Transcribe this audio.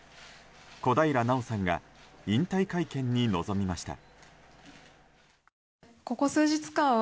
小平奈緒さんが引退会見に臨みました。